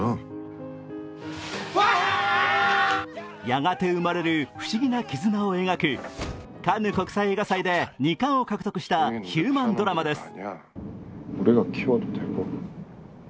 やがて生まれる不思議な絆を描くカンヌ国際映画祭で２冠を獲得したヒューマンドラマです。